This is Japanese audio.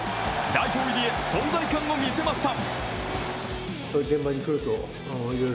代表入りへ存在感を見せました。